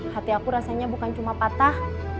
hati aku rasanya bukan cuma patah